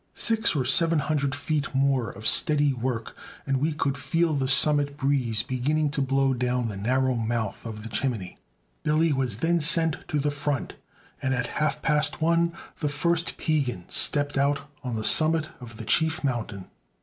Six or seven hundred feet more of steady work, and we could feel the summit breeze beginning to blow down the narrow mouth of the chimney. Billy was then sent to the front, and at half past one the first Piegan stepped out on the summit of the Chief Mountain.